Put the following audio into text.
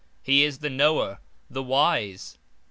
He is the Knower, the Wise.